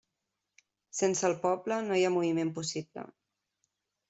Sense el poble no hi ha moviment possible.